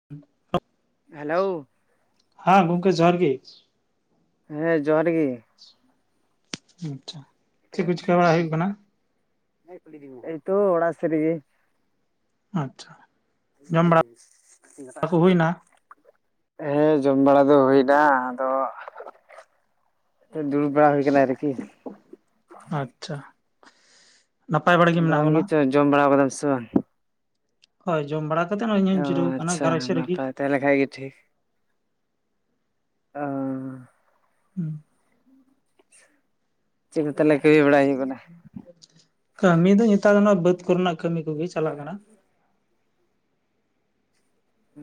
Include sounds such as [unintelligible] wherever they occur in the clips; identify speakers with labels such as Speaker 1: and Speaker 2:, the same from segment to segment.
Speaker 1: [inaudible]
Speaker 2: Hello
Speaker 1: ᱦᱮᱸ ᱜᱚᱝᱠᱮ ᱡᱚᱦᱟᱨ ᱜᱮ
Speaker 2: ᱦᱮᱸ ᱡᱚᱦᱟᱨ ᱜᱮ
Speaker 1: ᱟᱪᱪᱷᱟ, ᱪᱮᱜ ᱠᱚ ᱪᱤᱠᱟ ᱵᱟᱲᱟ ᱦᱩᱭᱩᱜ ᱠᱟᱱᱟ
Speaker 2: ᱮᱭ ᱛᱚ ᱚᱲᱟᱜ ᱥᱮᱜ ᱨᱮᱜᱮ
Speaker 1: ᱟᱪᱪᱷᱟ ᱡᱚᱢ ᱵᱟᱲᱟ ᱠᱚ ᱦᱩᱭᱱᱟ
Speaker 2: [inaudible] ᱦᱮᱸ, ᱡᱚᱢ ᱵᱟᱲᱟ ᱫᱚ ᱦᱩᱭᱱᱟ ᱟᱫᱚ ᱫᱩᱲᱩᱵ ᱵᱟᱲᱟ ᱦᱩᱭ ᱠᱟᱱᱟ ᱟᱨᱠᱤ
Speaker 1: ᱟᱪᱪᱷᱟ ᱱᱟᱯᱟᱭ ᱵᱟᱲᱟ ᱜᱮ
Speaker 2: ᱟᱫᱚ
Speaker 1: ᱢᱮᱱᱟᱜ
Speaker 2: ᱟᱢ
Speaker 1: ᱵᱚᱱᱟ
Speaker 2: ᱜᱮᱪᱚ ᱡᱚᱢ ᱵᱟᱲᱟᱣ ᱠᱟᱫᱟᱢ ᱥᱮ ᱵᱟᱝ?
Speaker 1: ᱦᱳᱭ ᱡᱚᱢ ᱵᱟᱲᱟ ᱠᱟᱛᱮ ᱦᱚᱜᱼᱚᱭ ᱤᱧ ᱦᱚᱧ ᱡᱤᱨᱟᱹᱣ ᱠᱟᱱᱟ [unintelligible] ᱥᱮᱜ ᱨᱮᱜᱤ
Speaker 2: ᱛᱟᱦᱮ ᱞᱮᱠᱷᱟᱡ ᱜᱮ ᱴᱷᱤᱠ, ᱚᱻ
Speaker 1: ᱦᱩᱸ
Speaker 2: ᱪᱮᱜ ᱠᱚ ᱛᱟᱦᱞᱮ ᱠᱟᱹᱢᱤ ᱵᱟᱲᱟᱭ ᱦᱩᱭᱩᱜ ᱠᱟᱱᱟ?
Speaker 1: ᱠᱟᱹᱢᱤ ᱫᱚ ᱱᱮᱛᱟᱨ ᱫᱚ ᱱᱚᱣᱟ ᱵᱟᱹᱫᱽ ᱠᱚᱨᱮᱱᱟᱜ ᱠᱟᱹᱢᱤ ᱠᱩᱜᱤ ᱪᱟᱞᱟᱜ ᱠᱟᱱᱟ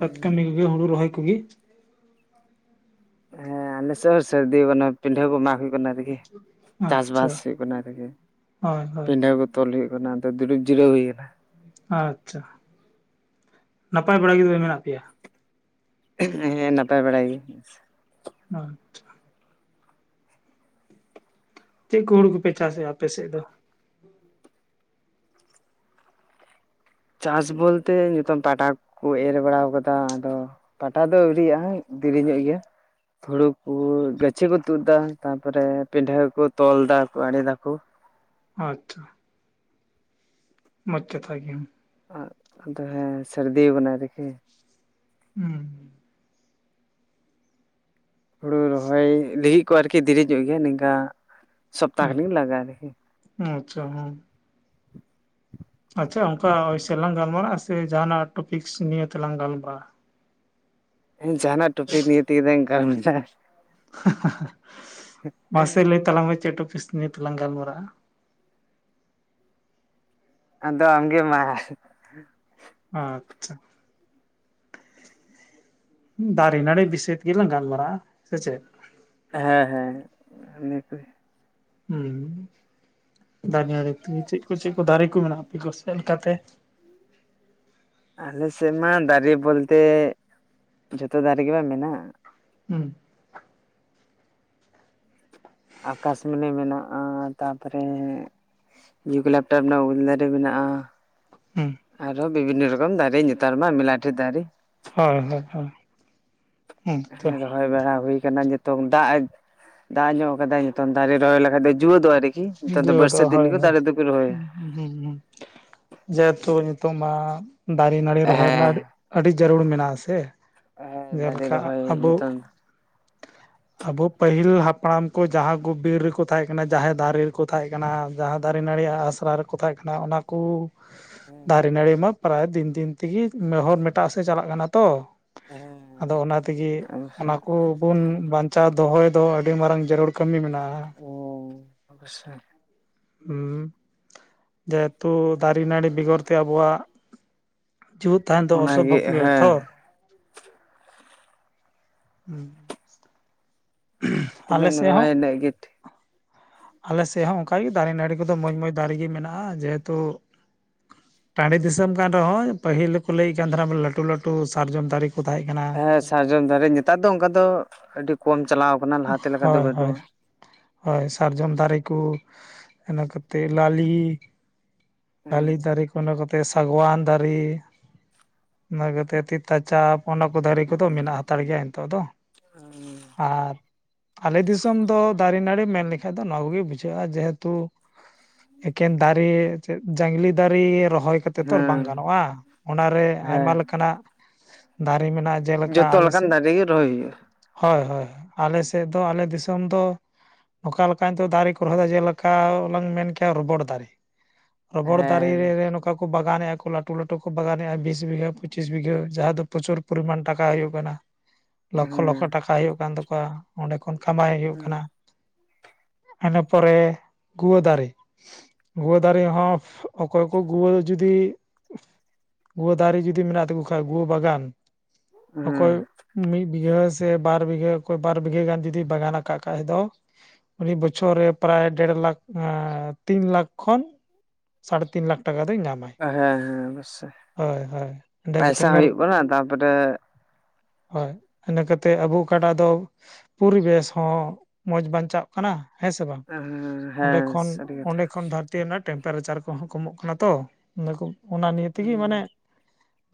Speaker 1: ᱵᱟᱛ ᱠᱟᱹᱢᱤ ᱠᱩᱜᱤ ᱦᱩᱲᱩ ᱨᱚᱦᱚᱭ ᱠᱩ ᱜᱤ
Speaker 2: ᱦᱮᱸ ᱟᱞᱮ ᱥᱮᱜ ᱦᱚ ᱥᱟᱨᱫᱤᱣ ᱠᱟᱱᱟ ᱯᱤᱱᱰᱦᱟᱹ ᱠᱩ ᱢᱟᱜ ᱦᱳᱭᱳᱜ ᱦᱩᱭᱩᱜ ᱠᱟᱱᱟ ᱟᱨᱤ ᱪᱟᱥ
Speaker 1: ᱟᱪᱪᱷᱟ
Speaker 2: ᱵᱟᱥ ᱦᱩᱭᱩᱜ ᱠᱟᱱᱟ ᱟᱨᱠᱤ
Speaker 1: ᱦᱳᱭ ᱦᱳᱭ
Speaker 2: ᱯᱤᱰᱦᱟᱹ ᱠᱚ ᱛᱚᱞ ᱦᱩᱭᱩᱜ ᱠᱟᱱᱟ ᱟᱫᱚ ᱫᱩᱲᱩᱜ ᱡᱤᱨᱟ ᱦᱩᱭ ᱠᱟᱱᱟ
Speaker 1: ᱟᱪᱪᱷᱟ ᱱᱟᱯᱟᱭ ᱵᱟᱲᱟ ᱜᱮ ᱛᱚᱵᱮ ᱢᱮᱱᱟᱜ ᱯᱮᱭᱟ?
Speaker 2: ᱦᱮᱸ ᱱᱟᱯᱟᱭ ᱵᱟᱲᱟ ᱜᱤ
Speaker 1: ᱟᱪᱪᱷᱟ ᱪᱮᱜ ᱠᱚ ᱦᱩᱲᱩ ᱠᱚᱯᱮ ᱪᱟᱥ ᱮᱜ-ᱟ ᱟᱯᱮ ᱥᱮᱫ ᱫᱚ
Speaker 2: ᱪᱟᱥ ᱵᱚᱞᱛᱮ ᱱᱤᱛᱚᱝ ᱯᱟᱴᱟ ᱠᱚ ᱠᱚ ᱮᱨ ᱵᱟᱲᱟᱣ ᱠᱟᱫᱟ ᱟᱫᱚ ᱯᱟᱴᱟ ᱫᱚ ᱟᱹᱣᱨᱤ ᱭᱟᱜ-ᱟ ᱫᱮᱨᱤ ᱧᱚᱜ ᱜᱮᱭᱟ ᱦᱩᱲᱩ ᱠᱩ ᱜᱟᱹᱪᱷᱤ ᱠᱚ ᱛᱩᱫ ᱫᱟ ᱛᱟᱯᱚᱨᱮ ᱯᱤᱰᱷᱟᱹ ᱠᱩ ᱛᱚᱞ ᱫᱟ ᱟᱲᱮ ᱫᱟᱠᱩ
Speaker 1: ᱟᱪᱪᱷᱟ ᱢᱚᱸᱡᱽ ᱠᱟᱛᱷᱟ ᱜᱮ
Speaker 2: ᱟᱸᱜ ᱦᱮᱸ ᱛᱟᱦᱮ ᱥᱟᱹᱨᱫᱤᱣ ᱠᱟᱱᱟ ᱥᱮ ᱪᱤᱜ?
Speaker 1: ᱦᱩᱸ
Speaker 2: ᱦᱩᱲᱩ ᱨᱚᱦᱚᱭ ᱞᱟᱹᱜᱤᱫ ᱠᱚ ᱟᱨᱠᱤ ᱫᱮᱨᱮ ᱧᱚᱜ ᱜᱮᱭᱟ ᱱᱤᱝᱠᱟ ᱥᱚᱯᱛᱟ
Speaker 1: ᱦᱩᱸ
Speaker 2: ᱠᱷᱟᱱᱤᱠ ᱞᱟᱜᱟᱜᱼᱟ
Speaker 1: ᱟᱪᱪᱷᱟ ᱦᱚᱸ
Speaker 2: [inaudible]
Speaker 1: ᱟᱪᱪᱷᱟ ᱚᱝᱠᱟ [unintelligible] ᱜᱟᱞᱢᱟᱨᱟᱜ-ᱟ? ᱥᱮ ᱡᱟᱦᱟᱸ ᱱᱟᱜ ᱴᱚᱯᱤᱠᱥ ᱱᱤᱭᱮ ᱛᱮᱞᱟᱝ ᱜᱟᱞᱢᱟᱨᱟᱜᱼᱟ
Speaker 2: ᱦᱮ ᱡᱟᱦᱟᱱᱟᱜ ᱴᱩᱯᱤᱠ ᱱᱤᱭᱮ ᱛᱮᱜᱮ ᱞᱟᱝ ᱜᱟᱞᱢᱟᱨᱟᱜ -ᱟ
Speaker 1: ᱦᱟ ᱦᱟ [unintelligible] ᱢᱟᱥᱮ ᱞᱟᱭ ᱛᱟᱞᱟᱝ ᱢᱮ ᱪᱮ ᱴᱨᱚᱯᱤᱠᱥ ᱱᱤᱭᱮ ᱛᱮᱞᱟᱝ ᱜᱟᱞᱢᱟᱨᱟ
Speaker 2: ᱟᱫᱚ ᱟᱢᱜᱮ ᱢᱟ
Speaker 1: ᱟᱪᱪᱷᱟ ᱫᱟᱨᱮ ᱱᱟᱹᱲᱤ ᱵᱤᱥᱚᱭ ᱛᱮᱜᱮ ᱞᱟᱝ ᱜᱟᱞᱢᱟᱨᱟᱜᱼᱟ ᱥᱮ ᱪᱮᱫ
Speaker 2: ᱦᱮᱸ ᱦᱮᱸ ᱱᱤᱭᱟᱹ ᱠᱚᱜᱮ
Speaker 1: ᱦᱮᱸ [unintelligible] ᱫᱟᱨᱮ ᱫᱟᱨᱮ ᱛᱮᱜᱮ ᱪᱮᱫ ᱠᱚ ᱪᱮᱫ ᱠᱚ ᱫᱟᱨᱠᱳ ᱠᱚ ᱢᱮᱱᱟᱜ ᱟᱯᱮ ᱠᱚ ᱪᱮᱫ ᱞᱮᱠᱟᱛᱮ
Speaker 2: ᱟᱞᱮ ᱥᱮᱫ ᱢᱟ ᱫᱟᱨᱮ ᱵᱚᱞᱛᱮ [unintelligible] ᱡᱚᱛᱚ ᱫᱟᱨᱮ ᱜᱮᱢᱟ ᱢᱮᱱᱟᱜᱼᱟ᱾
Speaker 1: ᱦᱩᱸ
Speaker 2: ᱟᱠᱟᱥᱢᱚᱱᱤ ᱢᱮᱱᱟᱜᱼᱟ ᱛᱟᱯᱚᱨᱮ ᱤᱭᱩ ᱵᱞᱮᱠᱴᱟᱨ ᱨᱮᱱᱟᱜ-ᱟ ᱩᱞ ᱫᱟᱨᱮ ᱢᱮᱱᱟᱜᱼᱟ
Speaker 1: ᱦᱩᱸ
Speaker 2: ᱟᱨᱦᱚ ᱵᱤᱵᱷᱤᱱᱱᱚ ᱨᱚᱠᱚᱢ ᱫᱟᱨᱮ ᱱᱮᱛᱟᱨᱢᱟ ᱢᱮᱞᱟᱴᱷᱮ ᱫᱟᱨᱮ
Speaker 1: ᱦᱳᱭ ᱦᱳᱭ ᱦᱳᱭ
Speaker 2: ᱦᱮᱸ ᱨᱚᱦᱚᱭ ᱵᱟᱲᱟ ᱦᱩᱭ ᱠᱟᱱᱟ ᱡᱮ ᱛᱚᱝ ᱫᱟᱜ ᱮ ᱫᱟᱜ ᱧᱚᱜ ᱟᱠᱟᱫᱟ ᱱᱤᱛᱚᱝ ᱫᱟᱨᱮ ᱨᱚᱦᱚᱭ ᱞᱮᱠᱷᱟᱱ ᱫᱚ ᱡᱩᱣᱟᱹ ᱫᱚᱜ- ᱟ ᱱᱮᱛᱟᱨ ᱫᱚ ᱵᱟᱹᱨᱥᱟᱹ ᱫᱤᱱ ᱜᱤ ᱫᱟᱨᱮ ᱫᱚᱠᱚ ᱨᱚᱦᱚᱭᱟ᱾
Speaker 1: ᱦᱩ ᱦᱩᱸ ᱦᱩᱸ ᱡᱮᱦᱮᱛᱩ ᱱᱤᱛᱚᱜ ᱢᱟ ᱫᱟᱨᱮ ᱱᱟᱹᱲᱤ ᱨᱚᱦᱚᱭ ᱨᱮᱱᱟᱜ ᱟᱹᱰᱤ
Speaker 2: ᱦᱮᱸ
Speaker 1: ᱟᱹᱰᱤ ᱡᱟᱹᱨᱩᱲ ᱢᱮᱱᱟᱜᱼᱟᱥᱮ
Speaker 2: ᱦᱮᱸ
Speaker 1: ᱡᱟᱦᱟ
Speaker 2: ᱫᱟᱨᱮ
Speaker 1: ᱞᱮᱠᱟ
Speaker 2: ᱨᱚᱦᱚᱭ
Speaker 1: ᱟᱵᱚᱩ
Speaker 2: ᱱᱤᱛᱚᱝ
Speaker 1: ᱟᱵᱚ ᱯᱟᱹᱦᱤᱞ ᱦᱟᱯᱲᱟᱢ ᱠᱚ ᱡᱟᱦᱟᱸ ᱠᱚ ᱵᱤᱨ ᱨᱮᱠᱚ ᱛᱟᱦᱮᱸᱠᱟᱱᱟ ᱡᱟᱦᱮ ᱫᱟᱨᱮ ᱠᱚ ᱛᱟᱦᱮᱸ ᱠᱟᱱᱟ ᱡᱟᱦᱟ ᱫᱟᱨᱮ ᱱᱟᱹᱲᱤ ᱟᱜ ᱟᱥᱲᱟ ᱨᱮᱠᱚ ᱛᱟᱦᱮ ᱠᱟᱱᱟ ᱚᱱᱟ ᱠᱩ ᱫᱟᱨᱮ
Speaker 2: ᱦᱮᱸ
Speaker 1: ᱱᱟᱲᱤ ᱢᱟ ᱯᱨᱟᱭ ᱫᱤᱱ ᱫᱤᱱ ᱛᱮᱜᱤ ᱢᱮᱦᱚ ᱢᱮᱴᱟ ᱥᱮᱜ ᱪᱟᱞᱟᱜ ᱠᱟᱱᱟ ᱛᱚ
Speaker 2: ᱦᱮᱸ
Speaker 1: ᱟᱫᱚ ᱚᱱᱟ ᱛᱤᱜᱤ ᱚᱱᱟ
Speaker 2: ᱚᱵᱚᱥᱥᱳᱭ
Speaker 1: ᱠᱚ ᱵᱚᱱ ᱵᱟᱧᱪᱟᱣ ᱫᱚᱦᱚᱭ ᱫᱚ ᱟᱹᱰᱤ ᱢᱟᱨᱟᱝ ᱡᱟᱹᱨᱩᱲ ᱠᱟᱹᱢᱤ ᱢᱮᱱᱟᱜᱼᱟ᱿
Speaker 2: ᱩᱸ [unintelligible]
Speaker 1: ᱦᱩᱸ ᱡᱮᱦᱮᱛᱩ ᱫᱟᱨᱮᱼ ᱱᱟᱹᱲᱤ ᱵᱮᱜᱚᱨ ᱛᱮ ᱟᱵᱚᱣᱟᱜ [unintelligible] ᱡᱩᱛ ᱛᱟᱭᱚᱢ ᱫᱚ ᱚᱥ
Speaker 2: ᱚᱱᱟᱜᱮ
Speaker 1: ᱵᱷᱚᱠ ᱜᱮ ᱛᱷᱚᱨ
Speaker 2: ᱦᱮᱸ
Speaker 1: ᱦᱩᱸ
Speaker 2: ᱛᱤᱱᱟᱹᱜ ᱮᱢ
Speaker 1: ᱥᱮᱫ ᱦᱚᱸ
Speaker 2: ᱨᱚᱦᱚᱭᱟ ᱤᱱᱟᱹᱜ ᱜᱮ᱾
Speaker 1: ᱟᱞᱮ ᱥᱮᱫ ᱦᱚᱸ ᱚᱱᱠᱟᱜᱮ ᱫᱟᱨᱮ ᱱᱟᱹᱲᱤ ᱠᱚᱫᱚ ᱢᱚᱡᱽ ᱢᱚᱡᱽ ᱫᱟᱨᱮ ᱜᱮ ᱢᱮᱱᱟᱜᱼᱟ ᱡᱮᱦᱮᱛᱩ ᱴᱟᱺᱰᱤ ᱫᱤᱥᱚᱢ ᱠᱟᱱ ᱨᱮᱦᱚᱸ ᱯᱟᱹᱦᱤᱞ ᱫᱚ ᱞᱟᱹᱭᱮᱫ ᱠᱟᱱ ᱛᱟᱦᱮᱱᱟ ᱞᱟᱹᱴᱩ ᱞᱟᱹᱴᱩ ᱥᱟᱨᱡᱚᱢ ᱫᱟᱨᱮ ᱠᱚ ᱛᱟᱦᱮᱸᱜ ᱠᱟᱱᱟ ᱾
Speaker 2: ᱦᱮᱸ ᱥᱟᱨᱡᱚᱢ ᱫᱟᱨᱮ ᱱᱮᱛᱟᱨ ᱫᱚ ᱚᱱᱠᱟ ᱫᱚ ᱟᱹᱰᱤ ᱠᱚᱢ ᱪᱟᱞᱟᱣ ᱟᱠᱟᱱᱟ ᱞᱟᱦᱟᱛᱮ ᱞᱮᱠᱟ ᱫᱚ
Speaker 1: ᱦᱳᱭ ᱦᱳᱭ
Speaker 2: ᱵᱟᱹᱱᱩᱜᱼᱟ᱿
Speaker 1: ᱦᱳᱭ ᱥᱟᱨᱡᱚᱢ
Speaker 2: ᱦᱮᱸ
Speaker 1: ᱫᱟᱨᱮ ᱠᱚ [unintelligible] ᱤᱱᱟᱹ ᱠᱟ ᱠᱟᱛᱮ ᱮᱫ ᱞᱟᱞᱤ [unintelligible] ᱵᱟᱹᱞᱤ ᱫᱟᱨᱮ ᱠᱚ ᱤᱱᱟᱹ ᱠᱟᱛᱮᱫ ᱥᱟᱜᱣᱟᱱ ᱫᱟᱨᱮ᱾ ᱤᱱᱟᱹ ᱠᱟᱛᱮ ᱛᱤᱛᱟ ᱪᱟᱯ ᱚᱱᱟ ᱠᱚ ᱫᱟᱨᱮ ᱠᱚᱫᱚ ᱢᱮᱱᱟᱜ ᱦᱟᱛᱟᱲ ᱜᱮᱭᱟ ᱱᱤᱛᱚᱜ ᱫᱚ᱾ [unintelligible] ᱟᱨ ᱟᱞᱮ ᱫᱤᱥᱚᱢ ᱫᱚ ᱫᱟᱨᱮ ᱱᱟᱹᱲᱤ ᱢᱮᱱ ᱞᱮᱠᱷᱟᱡ ᱫᱚ ᱱᱚᱣᱟ ᱠᱚᱜᱮ ᱵᱩᱡᱷᱟᱹᱜᱼᱟ ᱡᱮᱦᱮᱛᱩ, ᱮᱠᱮᱱ ᱫᱟᱨᱮ ᱡᱟᱝᱞᱤ ᱫᱟᱨᱮ ᱨᱚᱦᱚᱭ ᱠᱟᱛᱮ ᱛᱚᱨ ᱵᱟᱝ
Speaker 2: ᱦᱮᱸ
Speaker 1: ᱜᱟᱱᱚᱜᱼᱟ ᱚᱱᱟᱨᱮ
Speaker 2: ᱦᱮᱸ
Speaker 1: ᱟᱭᱢᱟ ᱞᱮᱠᱟᱱᱟᱜ ᱫᱟᱨᱮ ᱢᱮᱱᱟᱜᱼᱟ᱾ ᱡᱮᱞᱮᱠᱟ
Speaker 2: ᱡᱚᱛᱚ
Speaker 1: ᱟᱞᱮ
Speaker 2: ᱞᱮᱠᱟᱱ
Speaker 1: ᱥᱮᱫ
Speaker 2: ᱫᱟᱨᱮ ᱜᱮ ᱨᱚᱦᱚᱭ ᱦᱩᱭᱩᱜᱼᱟ᱾
Speaker 1: [unintelligible] ᱦᱳᱭ ᱦᱳᱭ ᱟᱞᱮ ᱥᱮᱫ ᱫᱚ ᱟᱞᱮ ᱫᱤᱥᱚᱢ ᱫᱚ ᱚᱠᱟ ᱞᱮᱠᱟ ᱱᱤᱛᱚᱜ ᱫᱟᱨᱮ ᱠᱚ ᱨᱚᱦᱚᱭᱟ ᱡᱮᱞᱮᱠᱟ ᱞᱟᱝ ᱢᱮᱱ ᱠᱮᱭᱟ ᱨᱚᱵᱚᱴ ᱫᱟᱨᱮ᱿ ᱨᱚᱵᱚᱲ ᱫᱟᱨᱮ
Speaker 2: ᱦᱮᱸ
Speaker 1: ᱨᱮ ᱱᱚ ᱚᱠᱟ ᱠᱚ ᱵᱟᱜᱟᱱᱮᱫᱼᱟ ᱠᱚ ᱞᱟᱹᱴᱩ ᱞᱟᱹᱴᱩ ᱠᱚ ᱚᱠᱟᱭ ᱠᱚ ᱵᱟᱜᱟᱱᱮᱫᱼᱟ ᱠᱚ ᱞᱟᱹᱴᱩ ᱞᱟᱹᱴᱩ ᱠᱟ ᱵᱟᱜᱟᱱᱮᱫ-ᱟ ᱵᱤᱥ ᱵᱤᱜᱷᱟᱹ ᱯᱚᱸᱪᱤᱥ ᱵᱤᱜᱷᱟᱹ ᱡᱟᱦᱟᱸ ᱫᱚ ᱯᱨᱚᱪᱩᱨ ᱯᱚᱨᱤᱢᱟᱱ ᱴᱟᱠᱟ ᱦᱩᱭᱩᱜ ᱠᱟᱱᱟ᱾ ᱞᱚᱠᱷᱚ
Speaker 2: ᱦᱮᱸ
Speaker 1: ᱞᱚᱠᱷᱚ ᱴᱟᱠᱟ ᱦᱩᱭᱩᱜ ᱠᱟᱱ ᱛᱟᱠᱚᱣᱟ ᱚᱸᱰᱮ ᱠᱷᱚᱱ ᱠᱟᱢᱟᱣ ᱦᱩᱭᱩᱜ ᱠᱟᱱᱟ᱾ ᱤᱱᱟᱹ ᱯᱚᱨᱮ ᱜᱩᱣᱟᱹ ᱫᱟᱨᱮ᱾ ᱜᱩᱣᱟᱹ ᱫᱟᱨᱮ ᱦᱚᱸ ᱚᱠᱚᱭ ᱠᱚ ᱜᱩᱣᱟᱹ ᱡᱩᱫᱤ ᱜᱩᱣᱟᱹ ᱫᱟᱨᱮ ᱡᱩᱫᱤ ᱢᱮᱱᱟᱜ ᱛᱟᱠᱚ ᱠᱷᱟᱱ ᱜᱩᱣᱟᱹ ᱵᱟᱜᱟᱱ
Speaker 2: ᱦᱮᱸ
Speaker 1: ᱚᱠᱚᱭ ᱢᱤᱫ ᱵᱤᱜᱷᱟᱹ ᱥᱮ ᱵᱟᱨ ᱵᱤᱜᱷᱟᱹ ᱚᱠᱚᱭ ᱵᱟᱨ ᱵᱤᱜᱷᱟᱹ ᱜᱟᱱ ᱡᱩᱫᱤ ᱵᱟᱜᱟᱱ ᱟᱠᱟᱫ ᱠᱟᱡ ᱫᱚ ᱤᱱᱤ ᱵᱚᱪᱷᱚᱨ ᱨᱮ ᱯᱨᱟᱭ ᱰᱮᱲ ᱞᱟᱠᱷ ᱟᱸ ᱛᱤᱱ ᱞᱟᱠᱷ ᱠᱷᱚᱱ ᱥᱟᱲᱮ ᱛᱤᱱ ᱞᱟᱠᱷ ᱴᱟᱠᱟ ᱫᱚᱭ ᱧᱟᱢᱟ ᱾
Speaker 2: ᱦᱮᱸ ᱦᱮᱸ ᱚᱵᱚᱥᱥᱳᱭ
Speaker 1: ᱮᱸᱰᱮ ᱠᱟᱛᱮ
Speaker 2: ᱯᱟᱭᱥᱟ ᱦᱩᱭᱩᱜ ᱠᱟᱱᱟ ᱛᱟᱯᱚᱨᱮ
Speaker 1: ᱦᱳᱭ ᱤᱱᱟᱹ ᱠᱟᱛᱮᱫ ᱟᱵᱚ ᱚᱠᱟᱰᱟ ᱫᱚ ᱯᱚᱨᱤᱵᱮᱥ ᱦᱚᱸ ᱢᱚᱡᱽ ᱵᱟᱧᱪᱟᱜ ᱠᱟᱱᱟ ᱦᱮᱸ ᱥᱮ ᱵᱟᱝ ᱚᱸᱰᱮ
Speaker 2: ᱦᱮᱸ
Speaker 1: ᱠᱷᱚᱱ
Speaker 2: ᱥᱟᱹᱨᱤ ᱠᱟᱛᱷᱟ᱾
Speaker 1: ᱚᱸᱰᱮ ᱠᱷᱚᱱ [unintelligible] ᱛᱮ ᱚᱱᱟ ᱴᱮᱢᱯᱟᱨᱮᱪᱟᱨ ᱠᱚᱦᱚᱸ ᱠᱚᱢᱚᱜ ᱠᱟᱱᱟ ᱛᱚ ᱚᱱᱟ ᱚᱱᱟ ᱱᱤᱭᱮ ᱛᱮᱜᱮ ᱢᱟᱱᱮ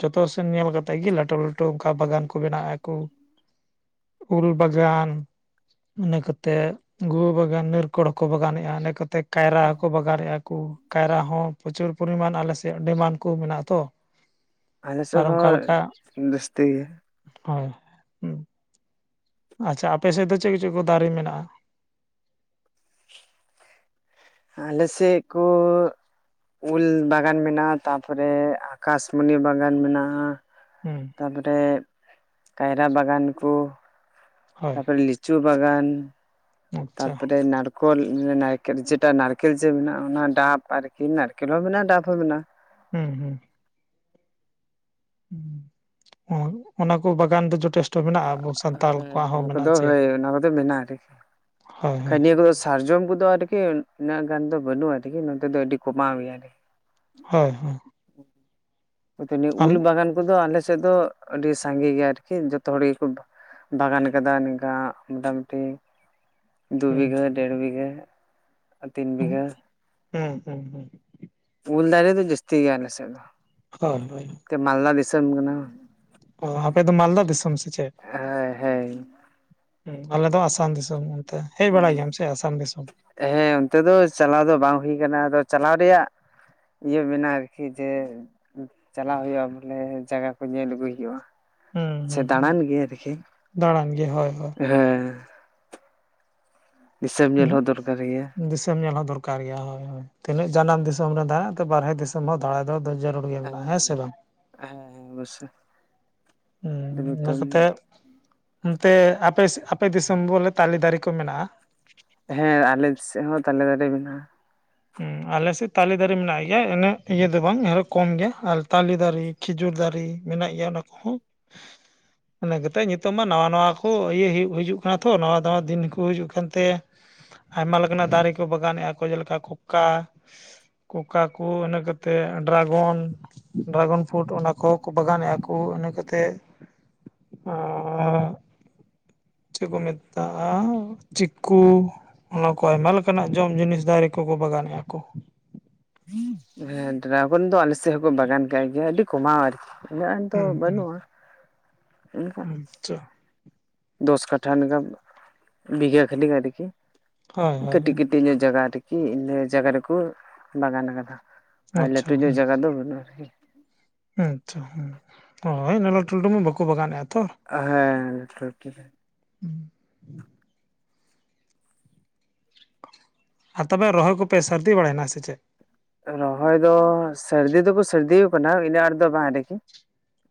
Speaker 1: ᱡᱚᱛᱚ ᱥᱮᱱ ᱧᱮᱞ ᱠᱟᱛᱮᱫ ᱜᱮ ᱞᱟᱹᱴᱩ ᱞᱟᱹᱴᱩ ᱚᱱᱠᱟ ᱵᱟᱜᱟᱱ ᱠᱚ ᱵᱮᱱᱟᱣᱮᱜ-ᱟ ᱠᱚ, ᱩᱞ ᱵᱟᱜᱟᱱ, ᱤᱱᱟᱹ ᱠᱟᱛᱮᱫ ᱜᱩᱣᱟᱹ ᱵᱟᱜᱟᱱ ᱱᱤᱨᱠᱚᱲ ᱦᱚᱸᱠᱚ ᱵᱟᱜᱟᱱᱮᱫ-ᱟ ᱤᱱᱟᱹ ᱠᱟᱛᱮ ᱠᱟᱭᱨᱟ ᱦᱚᱸᱠᱚ ᱵᱟᱜᱟᱱᱮᱫ-ᱟ ᱠᱚ ᱠᱟᱭᱨᱟ ᱦᱚᱸ ᱯᱨᱚᱪᱩᱨ ᱯᱚᱨᱤᱢᱟᱱ ᱟᱞᱮᱥᱮᱫ ᱟᱹᱰᱤᱢᱟᱱ ᱾ ᱠᱚ ᱢᱮᱱᱟᱜ ᱟ ᱛᱚ
Speaker 2: ᱟᱞᱮ
Speaker 1: [unintelligible]
Speaker 2: ᱥᱮᱫ
Speaker 1: ᱟᱨ ᱚᱱᱠᱟ ᱞᱮᱠᱟ
Speaker 2: ᱦᱚᱸ ᱡᱟᱹᱥᱛᱤ ᱜᱮ
Speaker 1: ᱦᱳᱭ ᱦᱩᱸ ᱟᱪᱪᱷᱟ ᱟᱯᱮ ᱥᱮᱫ ᱫᱚ ᱪᱮᱫ ᱠᱚ ᱪᱮᱫ ᱠᱚ ᱫᱟᱨᱮ ᱢᱮᱱᱟᱜ-ᱟ?
Speaker 2: ᱟᱞᱮᱥᱮᱫ ᱠᱚ ᱩᱞ ᱵᱟᱜᱟᱱ ᱢᱮᱱᱟᱜ-ᱟ ᱛᱟᱯᱚᱨᱮ ᱟᱠᱟᱥᱢᱚᱱᱤ ᱵᱟᱜᱟᱱ ᱢᱮᱱᱟᱜ-ᱟ ᱾
Speaker 1: ᱦᱩᱸ
Speaker 2: ᱛᱟᱯᱚᱨᱮ ᱠᱟᱭᱨᱟ ᱵᱟᱜᱟᱱ ᱠᱚ,
Speaker 1: ᱦᱳᱭ
Speaker 2: ᱛᱟᱯᱚᱨᱮ ᱞᱤᱪᱩ ᱵᱟᱜᱟᱱ,
Speaker 1: ᱟᱪᱪᱷᱟ
Speaker 2: ᱛᱟᱯᱚᱨᱮ ᱱᱟᱨ ᱠᱚᱞ ᱱᱟᱠᱮᱞ ᱡᱮᱴᱟ ᱱᱟᱨᱠᱮᱞ ᱡᱮ ᱢᱮᱱᱟᱜ-ᱟ ᱚᱱᱟ ᱰᱟᱵ ᱟᱨᱠᱤ ᱱᱟᱨᱠᱮᱞ ᱦᱚᱸ ᱢᱮᱱᱟᱜ-ᱟ ᱰᱟᱯ ᱦᱚᱸ ᱢᱮᱱᱟᱜ-ᱟ ᱾
Speaker 1: ᱦᱩᱸ ᱦᱩᱸ [unintelligible] ᱚᱱᱟ ᱠᱚ ᱵᱟᱜᱟᱱ ᱫᱚ ᱡᱚᱛᱮᱥᱴ
Speaker 2: [unintelligible] ᱦᱮᱸ ᱚᱱᱟ ᱠᱚᱫᱚ ᱦᱳᱭ ᱚᱱᱟ ᱠᱚᱫᱚ ᱢᱮᱱᱟᱜ-ᱟ ᱟᱨᱠᱤ
Speaker 1: ᱦᱳᱭ
Speaker 2: ᱵᱟᱱ
Speaker 1: ᱦᱳᱭ
Speaker 2: ᱱᱤᱭᱟᱹ ᱠᱚᱫᱚ ᱥᱟᱨᱡᱚᱢ ᱠᱚᱫᱚ ᱟᱨᱠᱤ ᱩᱱᱟᱹᱜ ᱜᱟᱱ ᱫᱚ ᱵᱟᱹᱱᱩᱜ-ᱟ ᱟᱨᱠᱤ ᱱᱚᱛᱮ ᱫᱚ ᱟᱹᱰᱤ ᱠᱚᱢᱟᱣ ᱜᱮᱭᱟ ᱟᱨᱠᱤ ᱾
Speaker 1: ᱦᱳᱭ ᱦᱳᱭ
Speaker 2: [unintelligible] ᱱᱤᱭᱟᱹ
Speaker 1: ᱟᱞ
Speaker 2: ᱩᱞ ᱵᱟᱜᱟᱱ ᱠᱚᱫᱚ ᱟᱞᱮ ᱥᱮᱫ ᱫᱚ ᱟᱹᱰᱤ ᱥᱟᱸᱜᱮ ᱜᱮᱭᱟ ᱟᱨᱠᱤ ᱡᱚᱛᱚ ᱦᱚᱲ ᱜᱮᱠᱚ ᱵᱟᱜᱟᱱ ᱠᱟᱫᱟ ᱱᱤᱝᱠᱟ ᱢᱚᱴᱟᱢᱩᱴᱤ ᱫᱩ
Speaker 1: ᱦᱩᱸ
Speaker 2: ᱵᱤᱜᱷᱟᱹ, ᱰᱮᱲ ᱵᱤᱜᱷᱟᱹ, ᱟᱨ ᱛᱤᱱ ᱵᱤᱜᱷᱟᱹ,
Speaker 1: ᱦᱮᱸ ᱦᱩᱸ ᱦᱩᱸ
Speaker 2: ᱩᱞ ᱫᱟᱨᱮ ᱫᱚ ᱡᱟᱹᱥᱛᱤ ᱜᱮᱭᱟ ᱟᱞᱮᱥᱮᱫ ᱫᱚ᱾
Speaker 1: ᱦᱳᱭ ᱦᱳᱭ
Speaker 2: ᱱᱚᱛᱮ ᱢᱟᱞᱫᱟ ᱫᱤᱥᱚᱢ ᱠᱟᱱᱟ᱾
Speaker 1: ᱚ ᱟᱯᱮ ᱫᱚ ᱢᱟᱞᱫᱟ ᱫᱤᱥᱚᱢ ᱥᱮ ᱪᱮᱫ?
Speaker 2: ᱦᱳᱭ ᱦᱳᱭ
Speaker 1: ᱟᱞᱮ ᱫᱚ ᱟᱥᱟᱢ ᱫᱤᱥᱚᱢ᱾ ᱛᱮ ᱦᱮᱡ ᱵᱟᱲᱟᱭ ᱜᱮᱭᱟᱢ ᱥᱮ ᱟᱥᱟᱢ ᱫᱤᱥᱚᱢ?
Speaker 2: ᱦᱮᱸ ᱚᱱᱛᱮ ᱫᱚ ᱪᱟᱞᱟᱣ ᱫᱚ ᱵᱟᱝ ᱦᱩᱭ ᱟᱠᱟᱱᱟ, ᱟᱫᱚ ᱪᱟᱞᱟᱣ ᱨᱮᱭᱟᱜ ᱤᱭᱟᱹ ᱢᱮᱱᱟ ᱟᱨᱠᱤ ᱡᱮ, ᱪᱟᱞᱟᱜ ᱦᱩᱭᱩᱜ-ᱟ ᱵᱚᱞᱮ ᱡᱟᱭᱜᱟ ᱠᱚ ᱧᱮᱞ ᱟᱹᱜᱩᱭ ᱦᱩᱭᱩᱜ-ᱟ᱾
Speaker 1: ᱦᱩᱸ
Speaker 2: ᱥᱮ
Speaker 1: ᱦᱩᱸ ᱦᱩᱸ
Speaker 2: ᱫᱟᱬᱟᱱ ᱜᱮ ᱟᱨᱠᱤ ᱦᱮᱸ
Speaker 1: ᱫᱟᱬᱟᱱ ᱜᱮ ᱦᱳᱭ ᱦᱳᱭ
Speaker 2: ᱫᱤᱥᱚᱢ ᱧᱮᱞ ᱦᱚᱸ ᱫᱚᱨᱠᱟᱨ ᱜᱮᱭᱟ
Speaker 1: ᱩᱜ ᱫᱤᱥᱚᱢ ᱧᱮᱞ ᱦᱚᱸ ᱫᱚᱨ ᱠᱟᱨ ᱜᱮᱭᱟ ᱦᱳ ᱛᱤᱱᱟᱹᱜ ᱡᱟᱱᱟᱢ ᱫᱤᱥᱚᱢ ᱨᱮ ᱫᱟᱬᱟ ᱵᱟᱨᱦᱮ ᱫᱤᱥᱚᱢ ᱦᱚᱸ ᱫᱟᱭ ᱫᱚ ᱢᱮᱱᱟᱜ-ᱟ, ᱦᱮᱸ ᱥᱮ ᱵᱟᱝ?
Speaker 2: ᱦᱮᱸ ᱦᱮᱸ ᱚᱵᱚᱥᱥᱚᱭ,
Speaker 1: ᱦᱮᱸ ᱤᱱᱟᱹ ᱠᱟᱛᱮᱜ ᱚᱱᱛᱮ ᱟᱯᱮ ᱟᱯᱮ ᱫᱤᱥᱚᱢ ᱵᱚᱞᱮ ᱛᱟᱞᱮ ᱫᱟᱨᱮ ᱠᱚ ᱢᱮᱱᱟᱜ-ᱟ?
Speaker 2: ᱦᱮᱸ ᱟᱞᱮ ᱥᱮᱫ ᱦᱚᱸ ᱛᱟᱞᱮ ᱫᱟᱨᱮ ᱢᱮᱱᱟᱜ-ᱟ᱾
Speaker 1: ᱦᱮᱸ ᱟᱞᱮᱥᱮᱫ ᱛᱟᱞᱮ ᱫᱟᱨᱮ ᱢᱮᱱᱟᱜ ᱜᱮᱭᱟ ᱤᱱᱟᱹ ᱤᱭᱟᱹ ᱫᱚ ᱵᱟᱝ ᱟᱨᱦᱚᱸ ᱠᱚᱢ ᱜᱮᱭᱟ ᱟᱨ ᱛᱟᱞᱮ ᱫᱟᱨᱮ ᱠᱷᱮᱡᱩᱨ ᱫᱟᱸᱨᱮ ᱢᱮᱱᱟᱜ ᱜᱮᱭᱟ ᱚᱱᱟ ᱠᱚᱦᱚᱸ᱾
Speaker 2: [inaudible]
Speaker 1: ᱤᱱᱟᱹ ᱠᱟᱛᱮᱫ ᱱᱤᱛᱚᱜ ᱢᱟ ᱱᱟᱣᱟ ᱱᱟᱣᱟ ᱠᱚ ᱤᱭᱟᱹ ᱦᱩᱭᱩᱜ ᱦᱤᱡᱩᱜ ᱠᱟᱱᱟ ᱛᱚ ᱱᱟᱣᱟ ᱱᱟᱣᱟ ᱫᱤᱱ ᱠᱚ ᱦᱤᱡᱩᱜ ᱠᱟᱱᱛᱮ, ᱟᱭᱢᱟ ᱞᱮᱠᱟᱱᱟᱜ ᱫᱟᱸᱨᱮ ᱠᱚ ᱵᱟᱜᱟᱱᱮᱫ-ᱟ ᱠᱚ ᱡᱮᱞᱮᱠᱟ ᱠᱳᱠᱟ, ᱠᱚᱠᱟ ᱠᱚ ᱤᱱᱟᱹ ᱠᱟᱛᱮᱫ ᱰᱨᱟᱜᱚᱱ, ᱰᱨᱟᱜᱚᱱ ᱯᱷᱩᱴ ᱚᱱᱟ ᱠᱚ ᱵᱟᱜᱟᱱᱮᱫᱼᱟ ᱠᱚ ᱤᱱᱟᱹ ᱠᱟᱛᱮ, ᱚᱻ ᱪᱮᱫ ᱠᱚ ᱢᱮᱛᱟᱜᱼᱟ ᱪᱤᱠᱠᱩ, ᱚᱱᱟ ᱠᱚ ᱟᱭᱢᱟ ᱞᱮᱠᱟᱱᱟᱜ ᱡᱚᱢ ᱡᱤᱱᱤᱥ ᱫᱟᱨᱮ ᱠᱚᱠᱚ ᱵᱟᱜᱟᱱᱮᱫᱼᱟ ᱠᱚ᱾
Speaker 2: ᱦᱮᱸ ᱰᱨᱟᱟᱜᱚᱱ ᱫᱚ ᱟᱞᱮᱥᱮᱫ ᱦᱚᱸᱠᱚ ᱵᱟᱜᱟᱱ ᱠᱟᱜ ᱜᱮᱭᱟ ᱟᱹᱰᱤ ᱠᱚᱢᱟ ᱟᱨᱠᱤ᱾ ᱩᱱᱟᱹᱜ ᱜᱟᱱ ᱫᱚ
Speaker 1: ᱦᱩᱸ
Speaker 2: ᱵᱟᱹᱱᱩᱜᱼᱟ, ᱚᱱᱠᱟ
Speaker 1: ᱟᱪᱪᱷᱟ
Speaker 2: ᱫᱚᱥ ᱠᱟᱴᱷᱟ ᱞᱮᱠᱟ, ᱵᱤᱜᱷᱟᱹ ᱠᱷᱟᱹᱞᱤ ᱟᱨᱠᱤ
Speaker 1: ᱦᱳᱭ ᱦᱳᱭ
Speaker 2: ᱠᱟᱹᱴᱤᱡ ᱠᱟᱹᱴᱤᱡ ᱧᱚᱜ ᱡᱟᱜᱟ ᱨᱮᱠᱤ ᱤᱱᱟᱹ ᱡᱟᱜᱟ ᱨᱮᱠᱚ ᱵᱟᱜᱟᱱ ᱟᱠᱟᱫᱟ᱾ ᱟᱨ
Speaker 1: ᱟᱪᱪᱷᱟ
Speaker 2: ᱞᱟᱹᱴᱩ ᱧᱚᱜ
Speaker 1: ᱦᱮᱸ
Speaker 2: ᱡᱟᱭᱜᱟ ᱫᱚ ᱵᱟᱹᱱᱩᱜᱼᱟ ᱟᱨᱠᱤ᱾
Speaker 1: ᱟᱪᱪᱷᱟ ᱦᱩᱸ ᱦᱚᱭ ᱞᱟᱹᱴᱩ ᱞᱟᱹᱴᱩ ᱢᱟ ᱵᱟᱠᱚ ᱵᱟᱜᱟᱱᱮᱫ-ᱟ ᱛᱚ᱾
Speaker 2: ᱦᱮᱸ ᱞᱟᱹᱴᱩ ᱞᱟᱹᱴᱩ
Speaker 1: ᱦᱩᱸ ᱟᱨ ᱛᱚᱵᱮ ᱨᱚᱦᱚᱭ ᱠᱚᱯᱮ ᱥᱟᱹᱨᱫᱤ ᱵᱟᱲᱟᱭᱮᱱᱟ ᱥᱮ ᱪᱮᱫ?
Speaker 2: ᱨᱚᱦᱚᱭ ᱫᱚ ᱥᱟᱹᱨᱫᱤ ᱫᱚᱠᱚ ᱥᱟᱹᱨᱫᱤ ᱟᱠᱟᱱᱟ ᱤᱱᱟᱹᱜ ᱟᱴ ᱫᱚ ᱵᱟᱝ ᱟᱨᱠᱤ᱾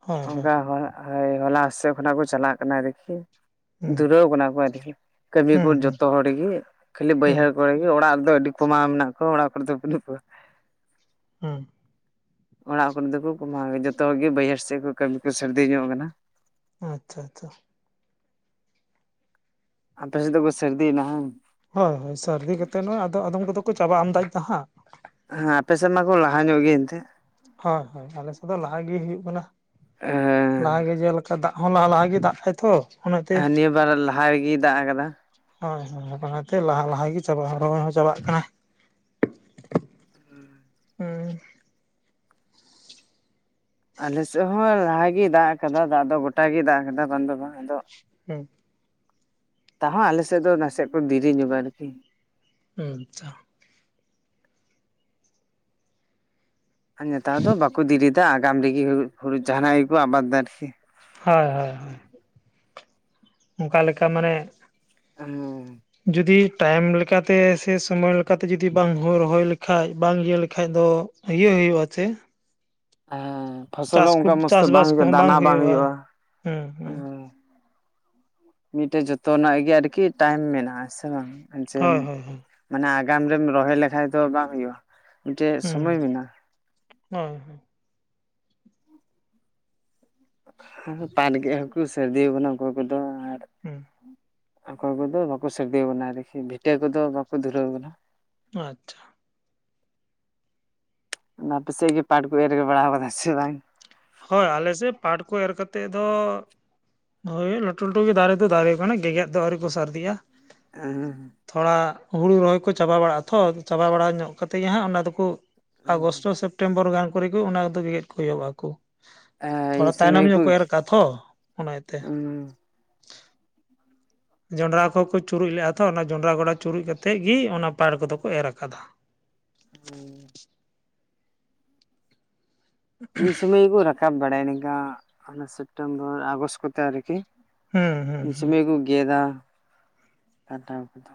Speaker 1: ᱦᱳᱭ ᱦᱳᱭ
Speaker 2: ᱚᱱᱠᱟ ᱦᱚᱳᱭ ᱦᱚᱞᱟ ᱦᱟᱥᱮᱫ ᱠᱷᱚᱱᱟᱜ ᱠᱚ ᱪᱟᱞᱟᱜ ᱠᱟᱱᱟ ᱫᱮᱠᱦᱤ᱾
Speaker 1: ᱦᱩᱸ
Speaker 2: ᱫᱷᱩᱨᱟᱹᱣ ᱠᱟᱱᱟ ᱠᱚ ᱟᱨᱠᱤ ᱠᱟᱹᱢᱤ ᱠᱚ
Speaker 1: ᱦᱩᱸ ᱦᱩᱸ
Speaker 2: ᱡᱚᱛᱚ ᱦᱚᱲᱜᱮ ᱠᱷᱟᱹᱞᱤ
Speaker 1: ᱦᱩᱸ
Speaker 2: ᱵᱟᱹᱭᱦᱟᱹᱲ ᱦᱚᱭ ᱜᱮ ᱚᱲᱟᱜ ᱨᱮᱫᱚ ᱟᱹᱰᱤ ᱠᱚᱢᱟᱟᱣ ᱢᱮᱱᱟᱜ ᱠᱚᱣᱟ ᱚᱲᱟᱜ ᱠᱚᱨᱮᱚ ᱵᱟᱹᱱᱩᱜ ᱠᱚᱣᱟ᱾
Speaker 1: ᱦᱮᱸ
Speaker 2: ᱚᱲᱟᱜ ᱠᱚᱨᱮ ᱫᱚ ᱠᱚ ᱠᱢᱟᱣᱭᱟ ᱡᱚᱛᱚ ᱜᱮ ᱵᱟᱹᱭᱦᱟᱨ ᱥᱮᱫ ᱠᱚ ᱠᱟᱹᱢᱤ ᱠᱚ ᱥᱟᱹᱨᱫᱤ ᱧᱚᱜ ᱟᱠᱟᱱᱟ᱾
Speaker 1: ᱟᱪᱪᱷᱟ ᱟᱪᱪᱷᱟ
Speaker 2: ᱟᱯᱮ ᱥᱮᱫ ᱫᱚ ᱠᱚ ᱥᱟᱨᱫᱤᱭᱮᱱᱟ ᱦᱟᱸᱝ?
Speaker 1: ᱦᱳᱭ ᱦᱳᱭ ᱥᱟᱹᱨᱫᱤ ᱠᱟᱛᱮᱫ ᱱᱚᱚᱭ ᱟᱫᱚ ᱟᱫᱚᱢ ᱠᱚᱫᱚ ᱠᱚ ᱪᱟᱵᱟ ᱟᱢᱫᱟᱭᱫᱟ ᱦᱟᱸᱜ᱾
Speaker 2: ᱦᱮᱸ ᱟᱯᱮᱥᱮᱫ ᱢᱟᱠᱚ ᱞᱟᱦᱟ ᱧᱚᱜ ᱜᱮᱭᱟ ᱮᱱᱛᱜ
Speaker 1: ᱦᱳᱭ ᱦᱳᱭ ᱟᱞᱮᱥᱮᱫ ᱫᱚ ᱞᱟᱦᱟ ᱜᱮ ᱦᱩᱭᱩᱜ ᱠᱟᱱᱟ ᱞᱟᱦᱟ ᱜᱮ ᱡᱮᱞᱮᱠᱟ ᱫᱟᱜ ᱦᱚᱸ ᱞᱟᱦᱟ ᱞᱟᱦᱟ ᱜᱮ ᱫᱟᱜ ᱠᱷᱟ ᱛᱚ ᱚᱱᱟᱛᱮ
Speaker 2: ᱱᱤᱭᱟᱹ ᱵᱟᱨ ᱞᱟᱦᱟ ᱨᱮᱜᱮᱭ ᱫᱟᱜ ᱟᱠᱟᱫᱟ
Speaker 1: ᱦᱳᱭ ᱦᱳᱭ ᱚᱱᱟᱛᱮ ᱞᱟᱦᱟ ᱞᱟᱦᱟ ᱜᱮ ᱪᱟᱵᱟᱜᱼᱟ ᱨᱚᱦᱚᱭ ᱦᱚᱸ ᱪᱟᱵᱟᱜ ᱠᱟᱱᱟ ᱾ ᱦᱩᱸ
Speaker 2: ᱟᱞᱮᱥᱮᱫ ᱦᱚᱸ ᱞᱟᱦᱟᱜᱮᱭ ᱫᱟᱜ ᱟᱠᱟᱫᱟ ᱫᱟᱜ ᱫᱚ ᱜᱚᱴᱟᱜᱤ ᱫᱟᱜ ᱟᱠᱟᱫᱟ ᱵᱟᱝ ᱫᱚ ᱵᱟᱝ ᱟᱫᱚ
Speaker 1: ᱦᱩᱸ
Speaker 2: ᱛᱟᱦᱚᱸ ᱟᱞᱮᱥᱮᱫ ᱫᱚ
Speaker 1: ᱟᱪᱷᱟ
Speaker 2: ᱟᱨ ᱱᱮᱛᱟᱨ ᱫᱚ ᱵᱟᱠᱚ ᱫᱮᱨᱤᱫᱟ ᱟᱜᱟᱢ ᱨᱮᱜᱮ ᱦᱳᱲᱩ ᱡᱟᱦᱱᱟᱜ ᱜᱮᱠᱚ ᱟᱵᱟᱫᱽ ᱮᱫᱟ ᱟᱨᱠᱤ
Speaker 1: ᱦᱚᱳᱭ ᱦᱚᱳᱭ ᱚᱱᱠᱟ ᱞᱮᱠᱟ ᱢᱟᱱᱮ
Speaker 2: ᱦᱸ
Speaker 1: ᱡᱩᱫᱤ ᱴᱟᱭᱤᱢ ᱞᱮᱠᱟᱛᱮ ᱥᱮ ᱥᱚᱢᱚᱭ ᱞᱮᱠᱟᱛᱮ ᱡᱩᱫᱤ ᱵᱟᱝ ᱨᱚᱦᱚᱭ ᱞᱮᱠᱷᱟᱡ ᱵᱟᱝ ᱤᱭᱟᱹ ᱞᱮᱠᱷᱟ ᱫᱚ ᱤᱭᱟᱹ ᱦᱩᱭᱩᱜᱼᱟ ᱪᱮ
Speaker 2: ᱦᱮᱸ ᱯᱷᱚᱥᱚᱞ
Speaker 1: ᱪᱟᱥ
Speaker 2: ᱦᱚᱸ
Speaker 1: ᱠᱚ
Speaker 2: ᱚᱱᱠᱟ ᱢᱚᱸᱡᱽ ᱛᱮ
Speaker 1: ᱪᱟᱥᱵᱟᱥ
Speaker 2: ᱵᱟᱝ
Speaker 1: ᱠᱚᱦᱚᱸ
Speaker 2: ᱫᱟᱱᱟ ᱵᱟᱝ ᱦᱩᱭᱩᱜᱼᱟ
Speaker 1: ᱦᱩᱸ
Speaker 2: ᱦ
Speaker 1: ᱦᱩᱸ
Speaker 2: ᱢᱤᱫᱴᱮᱡ ᱡᱚᱛᱚᱱᱟᱜ ᱜᱮ ᱟᱨᱠᱤ ᱴᱟᱭᱤᱢ ᱢᱮᱱᱟᱜᱼᱟ ᱥᱮ ᱵᱟᱝ ᱡᱮ
Speaker 1: ᱦᱳᱭ ᱦᱳᱭ ᱦᱳᱭ
Speaker 2: ᱢᱟᱱᱮ ᱟᱜᱟᱢ ᱨᱮᱢ ᱨᱚᱦᱚᱭ ᱞᱮᱠᱷᱷᱟᱡ ᱫᱚ ᱵᱟᱝ ᱦᱳᱭᱼᱟ ᱢᱤᱫᱴᱮᱡ
Speaker 1: ᱦᱩᱸ
Speaker 2: ᱥᱳᱢᱳᱭ ᱢᱮᱱᱟᱜᱼᱟ
Speaker 1: ᱦᱳᱭ
Speaker 2: ᱯᱟᱴ ᱜᱮᱫ ᱦᱟᱹᱠᱩ ᱥᱟᱹᱨᱫᱤ ᱠᱟᱱᱟ ᱚᱠᱚᱭ ᱠᱚᱫᱚ ᱟᱨ
Speaker 1: ᱦᱮᱸ
Speaker 2: ᱚᱠᱚᱭ ᱠᱚᱫᱚ ᱵᱟᱠᱚ ᱥᱟᱹᱨᱫᱤᱣ ᱟᱠᱟᱱᱟ ᱟᱨᱠᱤ ᱵᱷᱤᱴᱟᱹ ᱠᱚᱫᱚ ᱵᱟᱠᱚ ᱫᱷᱩᱨᱟᱹᱣ ᱟᱠᱟᱱᱟ ᱾
Speaker 1: ᱟᱪᱪᱷᱟ
Speaker 2: ᱚᱱᱟ ᱟᱯᱮᱥᱮᱜ ᱜᱮ ᱯᱟᱴ ᱠᱚ ᱮᱨᱜ ᱵᱟᱲᱟ ᱠᱟᱫᱟ ᱥᱮ ᱵᱟᱝ?
Speaker 1: ᱦᱳᱭ ᱟᱞᱮᱥᱮᱫ ᱯᱟᱴ ᱠᱚ ᱮᱨ ᱠᱟ ᱠᱟᱛᱮᱫ ᱫᱚ ᱦᱳᱭ ᱞᱟᱹᱴᱩ ᱞᱟᱹᱴᱩ ᱜᱮ ᱫᱟᱨᱮ ᱫᱚ ᱫᱟᱨᱮ ᱠᱟᱱᱟ ᱜᱮᱜᱮᱫ ᱫᱚ ᱟᱹᱣᱨᱤ ᱠᱚ ᱥᱟᱨᱫᱤ ᱭᱟ᱾
Speaker 2: ᱦᱚᱸ
Speaker 1: ᱛᱷᱚᱲᱟ ᱦᱩᱲᱩ ᱨᱚᱦᱚᱭ ᱠᱚ ᱪᱟᱵᱟ ᱵᱟᱲᱟᱜ ᱟ ᱛᱚ ᱪᱟᱵᱟ ᱵᱟᱲᱟ ᱧᱚᱜ ᱠᱟᱛᱮᱫ ᱜᱮ ᱦᱟᱸᱜ ᱚᱱᱟ ᱫᱚᱠᱚ ᱟᱜᱚᱥᱴᱚ ᱥᱮᱯᱴᱮᱢᱵᱚᱨ ᱜᱟᱱ ᱠᱚᱨᱮ ᱜᱮ ᱚᱱᱟ ᱠᱚᱫᱚ ᱜᱮᱜᱮᱫ ᱠᱚ ᱮᱦᱚᱵ ᱟᱠᱚ᱾
Speaker 2: ᱤᱱ
Speaker 1: ᱛᱷᱚᱲᱟ ᱛᱟᱭᱱᱚᱢ
Speaker 2: ᱥᱚᱢᱚᱭ
Speaker 1: ᱧᱚᱜ ᱠᱚ ᱮᱨ ᱠᱟ ᱛᱷᱚ ᱚᱱᱟ ᱭᱮᱛᱮ᱾ ᱡᱚᱸᱰᱨᱟ ᱠᱚ ᱠᱚ ᱪᱩᱨᱩᱡ ᱞᱮᱼᱟ ᱛᱚ ᱚᱱᱟ ᱡᱚᱸᱰᱨᱟ ᱜᱚᱰᱟ ᱪᱩᱨᱩᱡ ᱠᱟᱛᱮᱜ ᱜᱮ ᱚᱱᱟ ᱯᱟᱨ ᱠᱚᱫᱚ ᱠᱚ ᱮᱨ ᱟᱠᱟᱫᱟ᱾
Speaker 2: [inaudible] ᱤᱧ ᱥᱚᱢᱚᱹᱭ ᱜᱮᱠᱚ ᱨᱟᱠᱟᱵ ᱵᱟᱲᱟᱭᱟ ᱱᱤᱝᱠᱟ ᱚᱱᱟ ᱥᱮᱯᱴᱮᱢᱵᱚᱨ ᱟᱜᱚᱥᱴ ᱠᱚᱛᱮ ᱟᱨᱠᱤ
Speaker 1: ᱦᱩᱸ ᱦᱩᱸ
Speaker 2: ᱩᱱ
Speaker 1: ᱦᱩᱸ
Speaker 2: ᱥᱚᱢᱚᱭ ᱠᱚ ᱜᱮᱫᱟ ᱟᱫᱚᱢ ᱫᱚ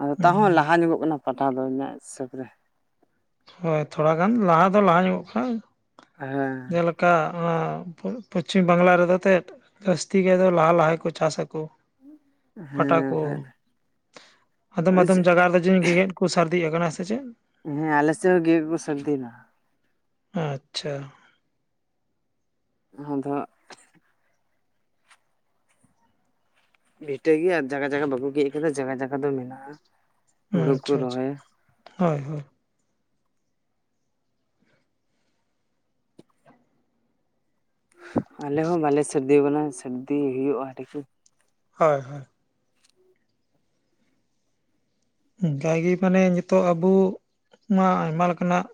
Speaker 2: ᱟᱫᱚ
Speaker 1: ᱦᱩᱸ
Speaker 2: ᱛᱟᱣᱟᱦᱚᱸ
Speaker 1: ᱦᱩᱸ
Speaker 2: ᱞᱟᱦᱟ ᱧᱚᱜᱚᱜ ᱠᱟᱱᱟ ᱯᱟᱴᱟ ᱫᱚ ᱤᱧᱟᱹᱜ ᱦᱤᱥᱟᱹᱵᱽ ᱨᱮ
Speaker 1: ᱦᱳᱭ ᱛᱷᱚᱲᱟ ᱜᱟᱱ ᱞᱟᱦᱟ ᱫᱚ ᱞᱟᱦᱟ ᱧᱚᱜᱚᱜ ᱠᱦᱟᱱ
Speaker 2: ᱦᱮᱸ
Speaker 1: ᱡᱮᱞᱮᱠᱟ ᱯᱚᱪᱷᱤᱢ ᱵᱟᱝᱞᱟ ᱨᱮᱫᱚ ᱛᱮᱫ ᱡᱟᱥᱛᱤ ᱜᱮ ᱫᱚ ᱞᱟᱦᱟ ᱞᱟᱦᱟᱜᱮ ᱠᱚ ᱪᱟᱥ ᱟᱠᱩ ᱯᱟᱴᱟ
Speaker 2: ᱦᱮᱸ
Speaker 1: ᱠᱚ
Speaker 2: ᱵᱷᱟᱞᱮ
Speaker 1: ᱟᱫᱚᱢ ᱟᱫᱚᱢ ᱡᱟᱜᱟ ᱡᱮ ᱜᱮᱜᱮᱫᱽ ᱠᱚ ᱥᱟᱨᱫᱤᱜ ᱟᱠᱟᱱᱟ ᱥᱮ ᱪᱮᱫ?
Speaker 2: ᱦᱮᱸ ᱟᱞᱮᱥᱮᱫ ᱦᱚᱸ ᱜᱮ ᱜᱮᱠᱚ ᱥᱟᱨᱫᱤᱭᱮᱱᱟ᱾
Speaker 1: ᱟᱪᱪᱷᱟ
Speaker 2: ᱟᱫᱦᱚ ᱵᱷᱤᱴᱟᱹᱜ ᱜᱮᱭᱟ ᱟᱨ ᱡᱟᱜᱟ ᱡᱟᱜᱟ ᱵᱟᱠᱚ ᱜᱮᱜ ᱟᱠᱟᱫᱟ ᱡᱟᱜᱟ ᱡᱟᱜᱟ ᱫᱚ ᱢᱮᱱᱟᱜᱼᱟ ᱾
Speaker 1: ᱦᱸ ᱟᱪᱷᱟ ᱪᱷᱟ ᱦᱳᱭ ᱦᱳᱭ
Speaker 2: ᱟᱞᱮ ᱦᱚᱸ ᱵᱟᱞᱮ ᱥᱟᱨᱫᱤ ᱣᱟᱱᱟ ᱥᱟᱨᱫᱤ ᱦᱩᱭᱩᱜᱼᱟ
Speaker 1: ᱦᱳᱭ ᱦᱳᱭ ᱚᱝᱠᱟᱜᱮ ᱢᱟᱱᱮ ᱧᱤᱛᱚᱜ ᱟᱵᱚ ᱢᱟ ᱟᱭᱢᱟ ᱞᱮᱠᱟᱱᱟᱜ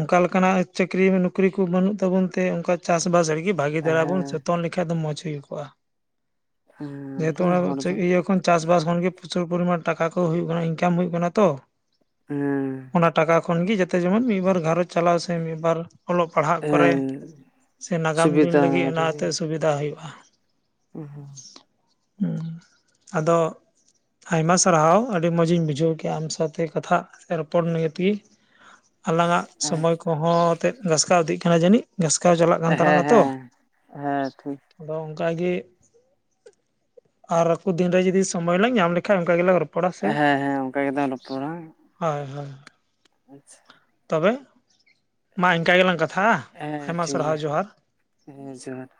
Speaker 1: ᱚᱱᱠᱟ ᱞᱮᱠᱟᱱᱟᱜ ᱪᱟᱹᱠᱨᱤ ᱱᱚᱩᱠᱨᱤ ᱠᱚ ᱵᱟᱹᱱᱩᱜ ᱛᱟᱵᱚᱱ ᱛᱮ ᱚᱱᱠᱟ ᱪᱟᱥ ᱵᱟᱥ ᱨᱮᱜᱮ ᱵᱷᱟᱹᱜᱤ ᱫᱷᱟᱨᱟ ᱵᱚᱱ
Speaker 2: ᱦᱮᱸ
Speaker 1: ᱪᱚᱛᱚᱱ ᱞᱮᱠᱷᱟ ᱫᱚ ᱢᱚᱡᱽ ᱦᱩᱭ ᱠᱚᱜᱼᱟ
Speaker 2: ᱦᱮᱸ
Speaker 1: ᱡᱮᱦᱮᱛᱩ
Speaker 2: ᱟᱫᱚ
Speaker 1: ᱚᱱᱟ
Speaker 2: ᱦᱚᱲ ᱫᱚ
Speaker 1: ᱤᱭᱟᱹ ᱪᱟᱥᱵᱟᱥ ᱠᱷᱚᱱᱜᱮ ᱯᱨᱚᱪᱩᱨ ᱯᱚᱨᱤᱢᱟ ᱴᱟᱠᱟ ᱠᱚ ᱦᱩᱭᱩᱜ ᱠᱟᱱᱟ ᱤᱱᱠᱟᱢ ᱦᱩᱭᱩᱜ ᱠᱟᱱᱟ ᱛᱚ
Speaker 2: ᱦᱮᱸ
Speaker 1: ᱚᱱᱟ ᱴᱟᱠᱟ ᱠᱷᱚᱱᱜᱮ ᱡᱮᱛᱮ ᱡᱚᱢᱚᱱ ᱢᱤᱫᱵᱟᱨ ᱜᱷᱟᱨᱚᱡᱽ ᱪᱟᱞᱟᱣ ᱥᱮ ᱢᱤᱫ ᱵᱟᱨ ᱚᱞᱚᱜ ᱯᱟᱲᱦᱟᱜ ᱠᱚᱨᱮ
Speaker 2: ᱦᱮᱸ
Speaker 1: ᱥᱮ ᱱᱟᱜᱟᱢ ᱫᱤᱱ
Speaker 2: ᱥᱩᱵᱤᱫᱷᱟ
Speaker 1: ᱞᱟᱹᱜᱤᱫ
Speaker 2: ᱨᱮᱜᱮ
Speaker 1: ᱚᱱᱟᱛᱮ ᱥᱩᱵᱤᱫᱷᱟ ᱦᱩᱭᱩᱜᱼᱟ
Speaker 2: [unintelligible]
Speaker 1: ᱟᱫᱚ ᱟᱭᱢᱟ ᱥᱟᱨᱦᱟᱣ᱾ ᱟᱹᱰᱤ ᱢᱚᱸᱡᱽ ᱤᱧ ᱵᱩᱡᱷᱟᱹᱣ ᱠᱮᱫᱼᱟ ᱟᱢ ᱥᱟᱣᱛᱮ ᱠᱟᱛᱷᱟᱜ ᱨᱚᱯᱚᱲ ᱱᱤᱭᱮ ᱛᱮᱜᱮ ᱟᱞᱟᱝᱟᱜ ᱥᱚᱢᱚᱭ ᱠᱚ ᱠᱚᱦᱚᱸ ᱛᱮᱫ ᱜᱷᱟᱥᱠᱟᱣ ᱤᱫᱤᱜ ᱠᱟᱱᱟ ᱡᱟᱹᱱᱤᱡ ᱜᱷᱟᱥᱠᱟᱣ ᱪᱟᱞᱟᱜ ᱠᱟᱱ ᱛᱟᱞᱟᱝᱟ ᱛᱚ
Speaker 2: ᱦᱮᱸ ᱦᱮᱸ ᱴᱷᱤᱠ
Speaker 1: ᱟᱫᱚ ᱚᱝᱠᱟᱜᱮ᱾ ᱟᱨ ᱟᱠᱚ ᱫᱤᱱᱨᱮ ᱡᱩᱫᱤ ᱥᱚᱢᱚᱭ ᱞᱟᱝ ᱧᱟᱢ ᱞᱮᱠᱷᱟᱱ ᱚᱱᱠᱟ ᱜᱮᱞᱟᱝ ᱨᱚᱯ
Speaker 2: ᱦᱮᱸ ᱦᱮᱸ ᱚᱝᱠᱟ ᱜᱮᱛᱚᱢ ᱨᱚᱯᱚᱲᱟ
Speaker 1: ᱦᱳᱭ ᱦᱳᱭ
Speaker 2: ᱟᱪᱷᱟ
Speaker 1: ᱛᱚᱵᱮ ᱢᱟ ᱤᱝᱠᱟ ᱜᱮᱞᱟᱝ ᱠᱟᱛᱷᱟᱜᱼᱟ?
Speaker 2: ᱦᱮᱸ ᱦᱮᱸ ᱴᱷᱤᱠ
Speaker 1: ᱟᱭᱢᱟ ᱥᱟᱨᱦᱟᱣ
Speaker 2: ᱜᱮᱭᱟ
Speaker 1: ᱡᱚᱦᱟᱨ
Speaker 2: ᱦᱮᱸ ᱡᱚᱦᱟᱨ